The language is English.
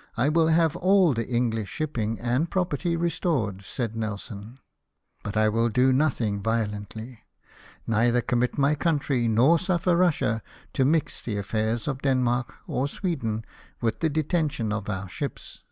" I will have all the English shipping and property restored," said Nelson, PROPOSED VISIT TO THE EMPEROR. 257 " but I will do nothing violently, — neither commit my country, nor suffer Russia, to mix the affairs of Denmark or Sweden with the detention of our ships."